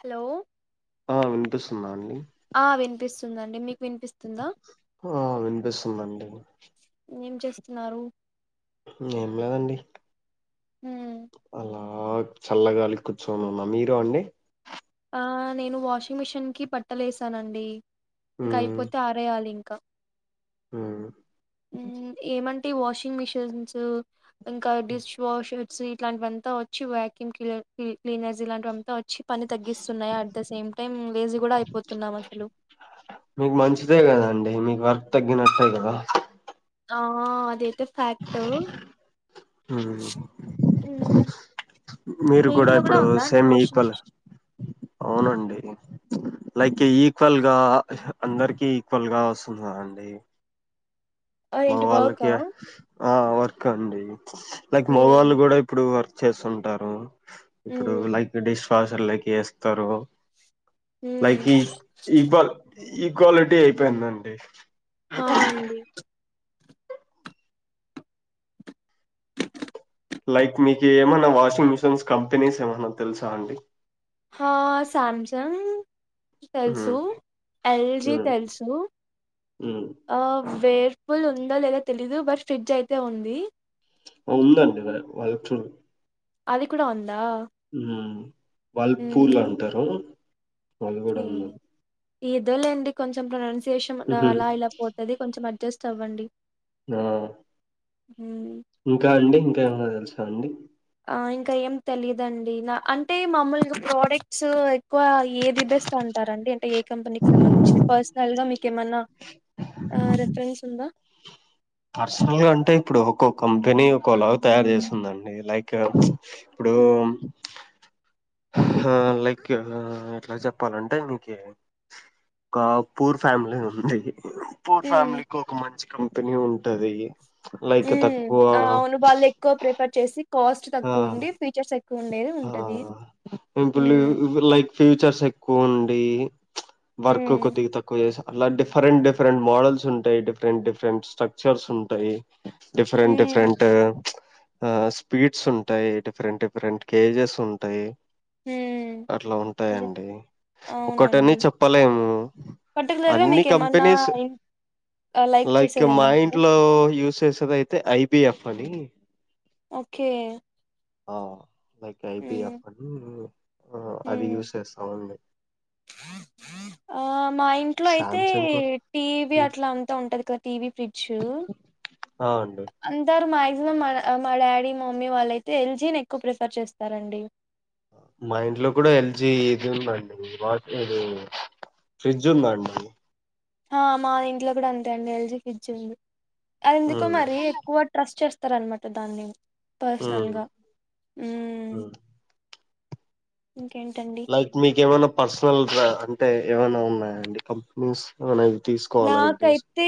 Hello ఆ వినిపిస్తుందా అండి ఆ వినిపిస్తుందండి మీకు వినిపిస్తుందా ఆ వినిపిస్తుందండి చెస్తున్నారు ఏం లేదండి హ్మ్ అలా ఆ చల్లగాలి కూర్చొని ఉన్న మీరు అండి ఆ నేను వాషింగ్ మిషిన్ కి బట్టలేసానండి ఇంకా మ్మ్ అయిపోతే ఆరేయాలి ఇంకా మ్మ్ మ్ ఏమంటి వాషింగ్ మిషన్స్ ఇంకా డిష్ వాషర్స్ ఇట్లాంటివి అంత వచ్చి వ్యాక్యూమ్ క్లీనర్స్ ఇలాంటివి అంత వచ్చి పని తగ్గిస్తున్నాయ్ at the same time lazy కూడా అయిపోతున్నాం అసలు మీకు మంచిదే గదండి తగ్గినట్టే కద ఆ అదైతే ఫ్యాక్ట్ ఉమ్మ్ మీరు మీ కూడా ఇంట్లో ఇప్పుడు ఉందా అండి సేమ్ వాషింగ్ ఇక్వల్ ఆ మిషిన్ అవునండి లైక్ ఈక్వల్ గా అందరికి ఈక్వల్ గా వస్తుంద అండి ఆ ఏంటి మగవాలకే వర్కా ఆ వర్క్ అండి లైక్ మగవాళ్ళు హ్మ్ కూడా ఇప్పుడు వర్క్ చేస్తుంటారు ఇప్పుడు హ్మ్ లైక్ డిష్వాషర్లకి ఎస్తారు లైక్ హ్మ్. ఈ ఈక్వల్ ఈక్వాలిటీ అయిపోయిందండి హ అండి లైక్ మీకు ఏమన్నా వాషింగ్ మిషిన్స్ కంపెనీస్ ఏమైన్నా తెలుసా అండి హ సాంసంగ్ ఉమ్, తెలుసు ఎల్ జి ఉమ్, తెలుసు ఉమ్. ఆ వేర్ ఫుల్ ఉందో లేదా తెలీదు బట్ ఫ్రిడ్జ్ అయితే ఉంది ఉందండి వాళ్ళ వాల్ ఫూల్ అది కూడా ఉంది వల్ పూల్ మ్మ్ అంటారు పాలు కూడా ఉంది ఏదో లేండి కొంచెం ప్రొనౌన్సియేషన్ ఉహుం. అలా ఇలా పోతుంది కొంచెం అడ్జస్ట్ అవ్వండి ఆ మ్మ్ ఇంకా అండి ఇంకా ఏమన్నా తెలుసాండి ఆ ఇంకా ఏం తెలియదుండి నా అంటే మమ్మలు ప్రోడక్ట్స్ ఎక్కువ ఏది ఇస్తూంటారం అడి అంటే ఏ కంపెనీ క సంబంధించి పర్సనల్ గా మీక ఏమన్నా రెఫరెన్స్ ఉందా పర్సనల్ గా అంటే ఇప్పుడు ఒో కంపెనీ ఒక లాగ్ తయారు చేస్తుందండి లైక్ ఇప్పు ఆ లైక్ ఎట్లా చెప్పాలంటే మీక ఒక పూర్ ఫ్యామిలీ ఉంది పూర్ మ్మ్ ఫ్యామిలీకి ఒక మంచి కంపెనీ ఉంటది లైక్ ఉ తక్కువ ఆ అవును వాళ్ళు ఎక్కువ ప్రిఫర్ చేసి కాస్ట్ ఆ తక్కువ ఉండి ఫీచర్స్ ఎక్ ఆ హ్మ్. లైక్ ఫ్యూచర్స్ ఎక్కువ ఉండి వర్కు హ్మ్. కొద్దిగా తక్కువ చేసా అలా డిఫరెంట్ డిఫరెంట్ మోడల్స్ ఉంటాయి డిఫరెంట్ డిఫరెంట్ స్ట్రక్చర్స్ ఉంటాయి డిఫరెంట్ హ్మ్. డిఫరెంట్ ఆ స్పీడ్స్ ఉంటాయి డిఫరెంట్ డిఫరెంట్ కేజెస్ ఉంటాయి హ అట్లా ఉంటాయండి ఒకటని అవునండి. చెప్పలేము పర్టిక్యులర్‌గా అన్ని మీకేమన్నా కంపెనీస్ ఇన్ ఆహ్, లైక్ చేసేదేమన్నా మా ఉందా? ఇంట్లో యూస్ చేసేది అయితే ఐబిఎఫ్ అని ఓకే ఆ లైక్ హ్మ్. ఐపీఎఫ్ అని అది హ్మ్. యూజ చేస్తామండి ఆ మా ఇంట్లో అయితే సామ్సంగ్ కూడా టీవీ ఉమ్, అట్లా అంతా ఉంటది కదా టీవీ ఫ్రిడ్జ్ ఆ అండి అందరు మాక్సీ మా మా డాడీ మా మమ్మీ వాళ్ళైతే ఎల్జీని ఎక్కువ ప్రిఫర్ చేస్తారండి మా ఇంట్లో కూడా ఎల్జీ ఇది ఉందండి వాది ఫ్రిస్టు ఉందా అండి ఆ మా ఇంట్లో కూడా అంతే అండి ఎల్జీ ఫ్రిడ్జ్ ఉంది అది ఎందుకు ఉమ్ మరి ఎక్కువ ట్రస్ట్ చేస్త చేస్తారనమాట దాన్ని ఉమ్ పర్సనల్గా ఉమ్ లైక్ మీకు ఏమైనా పర్సనల్ అంటే ఏమైనా ఉన్నాయాడి కంపెనీస్ ఏమ నాకైతే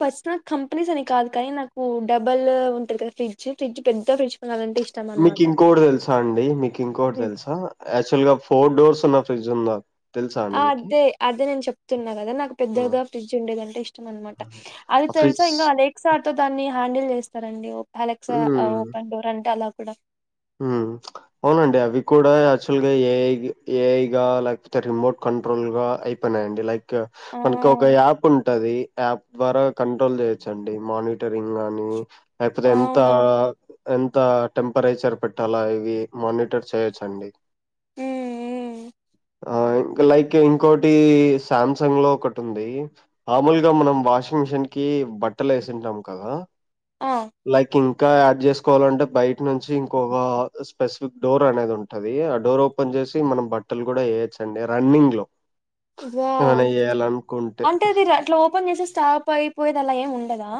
పర్సన్ కంపెనీస్ అని కాదు కానీ నాకు డబల్ ఉంటుంది కదా ఫ్రిడ్జ్ ఫ్రిడ్జ్ పెద్ద ఫ్రిడ్జ్ కొనాలంటే ఇష్టం మీకు అనమాట ఇంకోకటి తెలుసా అండి మీకు ఇంకోకటి ఉమ్ తెలుసా యాక్చువల్ గా ఫోర్ డోర్స్ న్నా ఫ్రిడ్జ్ తెలుసా అండి మీకి అదే అదే నేను చెప్తున్నా కదా నాకు ఆ పెద్దగా ఫ్రిడ్జ్ ఉండేదంటే ఇష్టం అనమాట అది ఆ తెల్సా ఫ్రిడ్జ్ ఇంకా అలెక్సా దాన్ని హ్యాండిల్ చేస్తారండి అలెక్సా ఉమ్ ఓపెన్ డోర్ అంటే అలా కూడా అవునండి అవి కూడా యాక్చువల్ గా ఏ ఐ గా లేకపోతే రిమోట్ క కంట్రోల్ గా అయిపోయినాయండి లైక్ ఆ మనకి ఒక యాప్ ఉంటది యాప్ ద్వారా కంట్రోల్ చేయొచ్చండి మానిటర్ అసలు ఎంత అవునవును అసలు ఎంత టెంపరేచర్ పెట్ట అలా ఇవి మానిటర్ చేయొచ్చండి ఉమ్ ఉమ్ ఆ లైక్ ఇంకోటి సామ్సంగ్ లో ఒకటి ఉంది మామూలుగా మనం వాషింగ్ మిషిన్ కి బట్టలు వేసిన్టామ్ కద ఆ లైక్ ఇంకా యాడ్ చేసుకోవాలంటే బయట నుంచి ఒక స్పెసిఫిక్ డోర్ అనేది ఉంటది ఆ డోర్ ఓపెన్ చేసి మనం బట్టలు కూడా వేయొచ్చండి ర ఇంగ్లో వావ్ అంటే అది అట్లా ఓపెన్ చేసిే స్టాప్ అయిపోయేది అలా ఏమి ఉండదా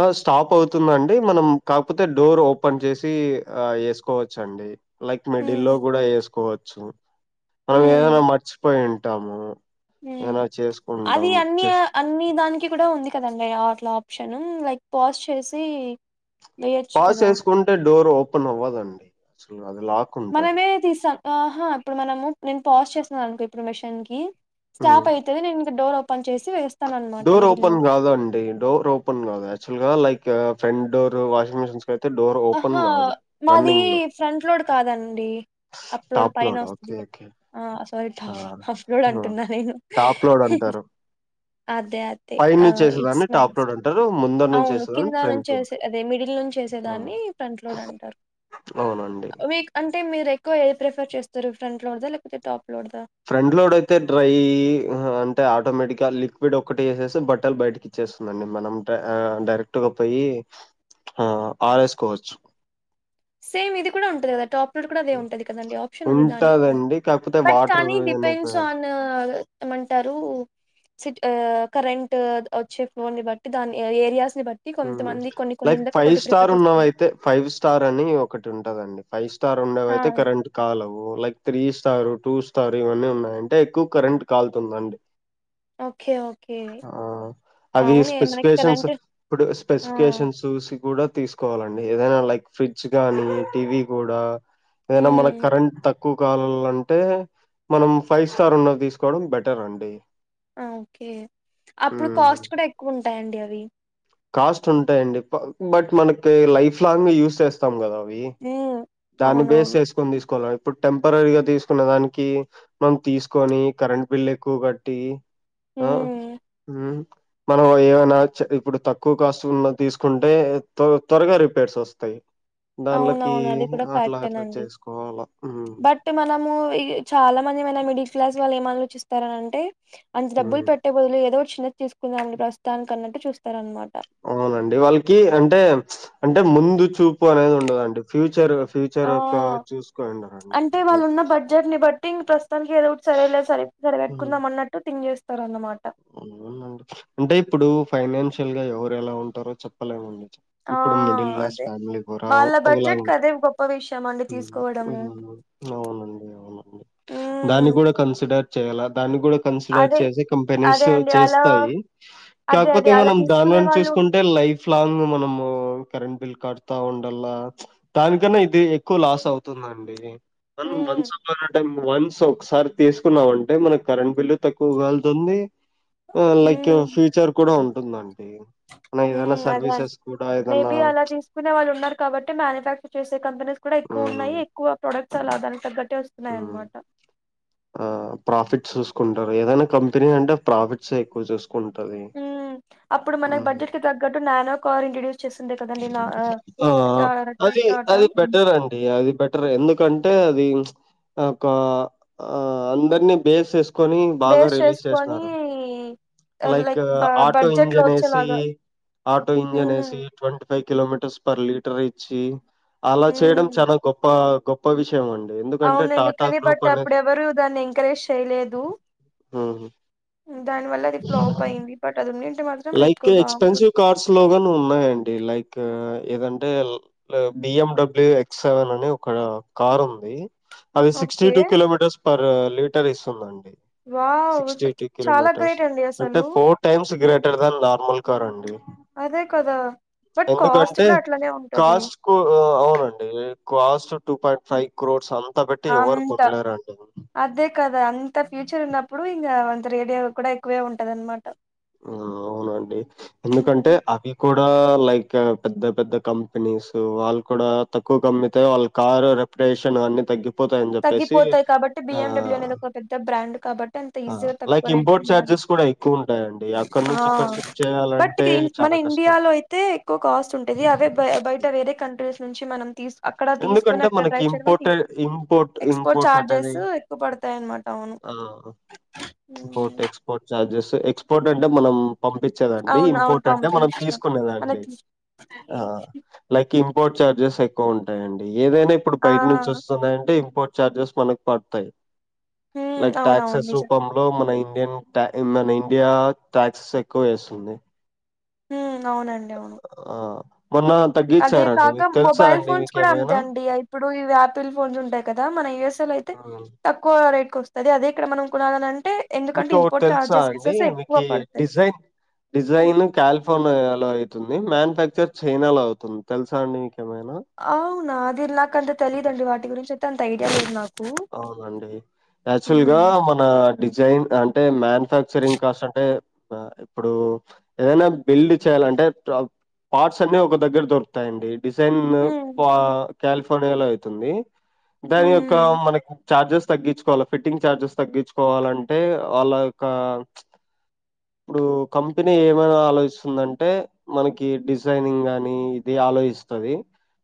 ఆ స్టాప్ అవుతుందండి మనం కాకపోతే డోర్ ఓపెన్ చేసి ఆ వేసుకోవచ్చ అండి లైక్ హ్మ్ మిడిల్ లో కూడా వేసుకోవచ్చు మనం ఏదైనా హ్మ్ మర్చిపోయి ఉంటాము. ఏమైనా అది చేసుకుంటాం అన్ని చేస్ అన్ని దానికి కూడా ఉంది కదండి అట్లా ఆప్షను లైక్ పాస్ చేసి వేయొచ్చు పాస్ కదా చేసుకుంటే డోర్ ఓపెన్ అవ్వదండి అసలు అది లాక్ ఉంటది. మనమే తీస్తాం ఆహా ఇప్పుడు మనము నేను పాస్ చేస్తున్నాను అనుకో ఇప్పుడు మిషన్ కి హ్మ్. స్టాప్ అయితే నేను మీకు డోర్ ఓపెన్ చేసి వేస్తా డోర్ ఓపెన్ కాదు అండి డోర్ ఓపెన్ కాదు యాక్చువల్ గా like front door washing machines కి అయితే డోర్ ఓపెన్ ఆహా కాదు మాది రన్నింగ్ లో ఫ్రంట్ లోడ్ కాదండి అప్ లోడ్ టాప్ పైన వస్తుంది ఓకే కదా ఓకే ఆ సారి ఆ హఫలోడ్ ఆ, అంటున్నా నేను టాప్ లోడ్ అంటారు అదే అదే పైనుంచి ఇట్స్ వేసేదాన్ని మై టాప్ లోడ్ మిస్టేక్ అంటారు ముందర నుంచి అవును వేసేదాన్ని కింద ఫ్రంట్ నుంచి లోడ్ అదే మిడిల్ నుంచి చేసే ఆ, దాన్ని ఫ్రంట్ లోడ్ అంటారు అవునండి అవి అంటే మీరు ఎక్కువ ఏది ప్రిఫర్ చేస్తారు ఫ్రంట్ లోడ్ లేకపోతే టాప్ లోడ్దా ఫ్రంట్ లోడ్ అయితే డ్రై అంటే ఆటోమేటిక్ ఇ లిక్విడ్ ఒకటి వేసేసి బట్టలు బయటకి ఇచ్చేస్తుందిండి మనం డైరెక్ట్గా పోయి ఆ తరువాత ఆరెసుకోవచ్చు సేమ్ ఇది కూడా ఉంటంది కదా టాప్ లోడ్ కూడా అదే ఉంటంది కదండి ఆప్షన్ అది దానికి కూడా ఉంటదండి కాకపోతే బట్ వాటర్ కానీ అనేది డిపెండ్స్ ఆన్ ఏమంటారు సి కరెంట్ వచ్చే ఫ్లోను బట్టి దాని ఏరియాస్ ని బట్టి కొంతమంది కొన్ని కొన్ని లైక్ ఇండ్లకు ఫైవ్ ఒకటి స్టార్ ప్రిఫర్ చేస్తూ ఉన్నావయితే ఫైవ్ స్టార్ అని ఒకటి ఉంటదండి ఫైవ్ స్టార్ ఇస్తారు ఉండవి ఆ అయితే కరెంట్ కాలవు like three star two star ఇవన్నీ ఉన్నాయంటే ఎక్కువ కరెంట్ కాల్తుందండి ఓకే ఓక్ ఆ అది మనకి స్పెసిఫికేషన్స్ కరెంట్ ఇప్పుడు ఆ స్పెసిఫికేషన్స్ చూసి కూడా తీసుకోవాలండీ ఏదైనా లైక్ ఫ్రిడ్జ్ కానీ టీవీ కూడా ఏదైనా హ్మ్ మనకి కరెంట్ తక్కువ తక్కువ కాలాలంటే మనం ఫైవ్ స్టార్ ఉన్న తీసుకోవడం బెటర్ అండి ఓకే అప్పుడు హ్మ్. కాస్ట్ కూడా ఎక్కువ ఉంటాయంండి అవి కాస్ట్ ఉంటాయిండి బట్ మనకి లైఫ్ లాంగ్ యూస్ చేస్తాం కదా ఉమ్ దాన్ని బేస్ అవునవును చేసుకొని తీసుకోవాల ఇప్పుడు టెంపరరీగా తీసుకునే దానికి మనం తీసుకొని కరెంట్ బిల్ ఎక్కువ కట్టి ఆ ఉమ్ ఉమ్ మనం ఏమైనా ఇప్పుడు తక్ తక్కువ కాస్ట్ ఉన్న తీసుకుంటే త త్వరగా రిపేర్స్ వస్తాయి అవున దాన్లకి అవును అది కూడా అట్లా అట్లా ఫ్యాక్టేనండి చేసుకోవాల. హ్మ్. బట్ మనము చాలా మంది మిడిల్ క్లాస్ వాళ్ళు ఏమీ ఆలోచిస్తారంటే అంత డబ్బులు హ్మ్. పెట్టే బదులు ఏదో చి తీసుకుందాండి ప్రస్తుతానికి అన్నట్టు చూస్తార అనమాట అవునండి వాళ్ళకి అంటే అంటే ముందు చూపు చూపు అనేది ఉండదండి ఫ్యూచర్ ఆ ఫ్యూచర్ యక్క చూసుకోరండి ఆ థింగ్ ప్రస్తుతానికి ఏదో ఒకటి సరే లేదు సరే సరి హ్మ్. పెట్టుకుందా అన్నట్టు థింగ్ చేస్తారు అన్నమాట అవునండి అంటే ఇప్పుడు ఫైనాన్షియల్ గా ఎవరు ఎలా ఉంటారో చెప్పలేమండి. ఆ ఇప్పుడు మిడిల్ క్లాస్ అదే ఫ్యామిలీ కూడా వాళ్ళ ఒకలా బడ్జెట్ కి ఉంటా అదే గొప్ప విషయం అండి తీసుకోవడము అవునండి అవునండి దాన్ని ఉమ్ కూడా కన్సిడర్ చేయాలా దాన్ని కూడా కన్సిడర్ అదే చేసి కం అదే అండి అలా చేస్తాయి అదే కాకపోతే అదే అలా మనం తీసుకునే దాని వాళ్ళు చూసుకుంటే లైక్ లైఫ్ లాంగ్ మనము కరెంట్ బిల్ కడుతా ఉండల్లా దానికన్నా ఇది ఎక్కువ లాస్ అవుతుంది అవునుదండి మ ఉమ్ మంచి అంట వన్స్ ఒకసారి తీసుకున్నాంంటే మనకు కరెంట్ బిల్లు తక్కువ కల్తు ఉంది లైక్ ఉమ్ ఫ్యూచర్ కూడా ఉంటుందండి మ ఏదైనా ఉమ్ అదే అండి సర్వీసెస్ కూడా ఏదన్నా మేబీ అలా తీసుకునే వాళ్ళు ఉన్నారు కాబట్టి మ్యానుఫ్యాక్చర్ చేసే కంపెనీ కూడా ఎక్కువ మ్మ్ ఉన్నాయి ఎక్కువ ప్రొడక్ట్ అలా దాని తగ్గ ఆ ప్రాఫిట్ చూసుకుంటారు ఏదైనా కంపెనీ అంటే ప్రాఫిట్స్ ఎక్కువ చూసుకుంటది ఉమ్ అప్పుడు మన మ్మ్ బడ్జెట్ క తగ్గట్టు నానో కార్ ఇంట్రడ్యూస్ చేసిండే కదండి నా ఆ టా టా- అది టాటా అది బెటర్ అండి అది బెటర్ ఎందుకంటే అది ఒక అందరినీ బేస్ చేసు కొని బాగా బేస్ రిలీజ్ చేసుకొని చేస్తున్నారు లైక్ ఆటో బడ్జెట్ లో ఇంజన్ ఏసి వచ్చేలాగా ఆటో ఇంజన్ ఉమ్ AC twenty five kilometres per litre ఇచ్చి అలా చేయడం ఉమ్ చాలా గొప్ప గొప్ప విషయం అండి. ఎందుకంటే అవునండి టాటా గ్రూప్ కనిపట్టే అప్పుడు అనేది ఎవరూ దాన్ని ఎంకరేజ్ చేయలేదు హ్మ్. దాని వల్ల అది ఫ్లాప్ అయింది బట్ అది మాత్రం లైక్ ఎక్కువ బాగుంటుంది ఎక్స్పెన్సివ్ కార్స్ లోగాని ఉన్నాయండి లైక్ ఏదంటే బిఎండబ్ల్యూ ఎక్స్ సెవెన్ అని ఒక కార్ ఉంది అది sixty two okay kilometres per litre ఇస్తుందిండి వావ్! సిక్స్టీ టూ చాలా కిలోమీటర్స్ గ్రేట్ అండి అంటే అసలు. Four times great normal car అండి అదే కదా బట్ కాస్ట్ ఎందుకంటే కూడా అట్లనే ఉంటది. కాస్ట్ కు అవునండి cost two point five crores అంత పెట్టి ఎవరు అంత కొనలేరుండి అదే కదా! అంత ఫ్యూచర్ ఉన్నప్పుడు ఇంకా అంత రేడియా కూడా ఎక్కువే ఉంటది అనమాట ఆ అవునండి ఎందుకంటే హ్మ్. అవి కూడా లైక్ పెద్ద పెద్ద కంపెనీస్ వాళ్ళు కూడా తక్కువ కమ్మితే వాళ్ళ కారు ర ప్రేషన్ అన్ని తగ్గిపోతాయని చెప్పేసి తగ్గిపోతాయి కాబట్టి ఆ బిఎండబ్ల్యూ అనేది ఒక పెద్ద బ్రాండ్ కాబట్టి అంత ఈజీగా లైక్ తక్కువ రేట్కి ఇంపోర్ట్ ఇయ్యరన్ చఛార్జెస్ కూడా ఎక్కువ ఉంటాయండి ఆ బట్ మన చాలా కష్టం. ఇండియాలో అయితే ఎక్కువ కాస్ట్ ఉంటది అవే బయ బయట వేరే కంట్రీస్ నుంచి మనం తీసు అక్కడ తీసుకుని ఎందుకంటే అక్కడ మనకి డ్రైవ్ చేయని ఇంపోర్టెడ్ ఇంపోర్ట్ ఎక్స్పోర్ట్ ఇంపోర్ట్ అనేది చఛార్జెస్ ఎక్కువ పడతాయి అన్నమాట అవును ఆ ఉమ్. ఇంపోర్ట్ ఎక్స్పోర్ట్ చార్జెస్ ఇంపోర్ట్ అంటే మనం పంపించేదండి అవును అవును ఇంపోర్ట్ అంటే మనం పంపించడం తీసుకునేదాండి మనకి ఆ లేక్ ఇ ఇంపోర్ట్ ఛార్జెస్ ఎక్కువ ఉంటాయండి ఏదైనా ఇప్పుడు ఆ బయట నుంచి వస్తుందయంటే ఇంపోర్ట్ చార్జెస్ మనకు పడతాయి హ్మ్ లైక్ అవునవును టాక్సెస్ నిజం రూపంలో మన ఇండి మన ఇండియా టాక్స్స్ ఎక్కువ వేస్తుంది ఉ అవునండి అవును ఆ మొన్న అదే తగ్గించారండి కాక మీకు తెలుసా మొబైల్ అండి ఫోన్స్ కూడా అంతే మీకేమైనా అండి ఇప్పుడు ఆయాపిల్ ఫోన్స్ ఉంటాయి కదా మన యఎస్ఎల్ అయితే తక్కువ రేట్ కు వస్తుంది అదే ఇక్కడ మనం కొనాల మీకు ఒక తెలుసా అండి ఎక్కువ మీకు పడతాయి డిజైన్ హ్మ్. డిజైన్ కాలిఫోర్నియా లో అవుతుంది మ్యానుఫ్యాక్చర్ చైనా లో అవుతుంది తెలుసా అండి మీకేమైనా అవునా అదిర్ నాక అంత తెలిదండడి వాటి గురించింతతే అంత ఐడియా లేదు నాకు అవునండి యాక్చువల్ గా హ్మ్ మన డిజైన్ అంటే మ్యాన్ మఫక్చరింగ్ కాస్ట్ అంటే ఇప్పుడు ఏదైనా బిల్డ్ చేయాలంటే పార్ట్స్ అన్ని ఒక దగ్గర దొరుకుతాయండి డిజైన్ హ్మ్ కాలిఫోర్నియా లో అవుతుంది దాని యొక్క హ్మ్ మనకి చార్జెస్ తగ్గించుకోవాలి ఫిట్టింగ్ చార్జెస్ తగ్గించుకోవాలంటే వాళ్ళ యొక్క ఇప్పుడు కంపెనీ ఏమైనా ఆలోచిస్తుందంటే మనకి డిజైనింగ్ గానీ ఇది ఆలోచిస్తుంది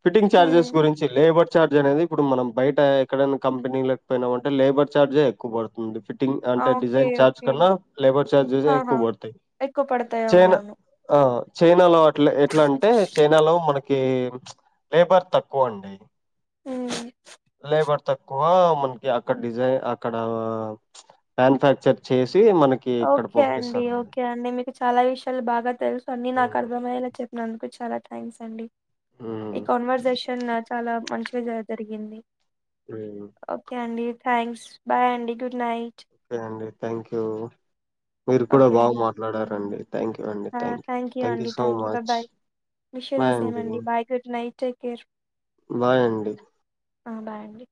ఫిటింగ్ హ్మ్ చార్జెస్ గురించి లేబర్ చార్జ్ అనేది ఇప్పుడు మనం బయట ఎక్కడైనా కంపెనీ లేకపోయినామ అంటే లేబర్ చార్జే ఎక్కువ పడుతుంది ఫ టింగ్ ఆ అంటే ఓకే డిజైన్ చార్జ్ ఓకే కన్నా లేబర్ చార్జె ఆహా ఎక్కువ పడతాయి ఎక్కువ పడతాయి చైనా అవునవును ఆ చైనాలో అట్లా ఎట్లా అంటే చైనాలో మనకి లేబర్ తక్కువ అండి హ్మ్ లేబర్ తక్కువ మనకి అక్కడ డిజైన్ అక్కడ మనుఫ్యాక్చర్ చేసి మనకి ఇక్కడ ఓకే అండి పంపిస్తారండి ఓకే అండి మీకు చాలా విషయాలు బాగా తెలుసు అన్నీ నాకు మ్మ్ అర్థమయ్యలా చెప్పినందుకు చాలా థ్యాంక్స్ అండి ఈ మ్మ్ కాన్వర్సేషన్ చాలా మంచిగా జరిగింది మ్మ్ ఓకే అండి థ్యాంక్స్ బాయ్ అండి గుడ్ నైట్ ఓకే అండి థ్యాంక్ యూ మీరు కూడా ఓకే బాగా అండి మాట్లాడారండి థ్యాంక్ యూ అండి. థ్యాంక్ యూ అండి సో థ్యాంక్ బ much. Bye wish you the same అండి bye good night care bye అండి ఆ బాయండి